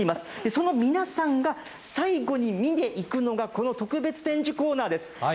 その皆さんが最後に見に行くのが、この特別展示コーナーです。